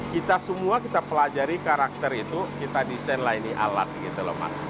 kita semua kita pelajari karakter itu kita desain lah ini alat gitu loh mas